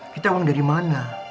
kita uang dari mana